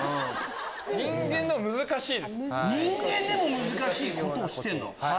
人間でも難しいことをしてんの？